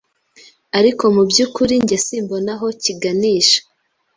ariko mubyukuri njye simbona aho kiganisha